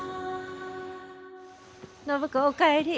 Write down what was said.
暢子お帰り。